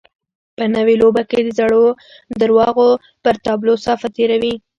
په نوې لوبه کې د زړو درواغو پر تابلو صافه تېروي.